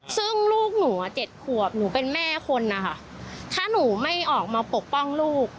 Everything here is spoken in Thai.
ซึ่งลูกหนูอ่ะ๗ขวบหนูเป็นแม่คนนะคะถ้าหนูไม่ออกมาปกป้องลูก